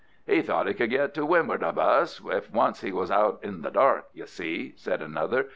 "He thought he could get to windward of us if once he was out in the dark, you see," said another.